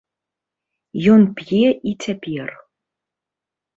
Ён п'е і цяпер.